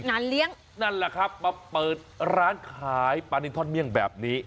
งานเลี้ยงนั่นแหละครับมาเปิดร้านขายปลานินทอดเมี่ยงแบบนี้